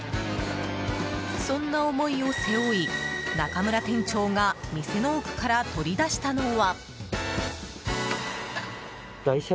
そんな思いを背負い、中村店長が店の奥から取り出したのは。